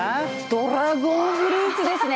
ドラゴンフルーツですね。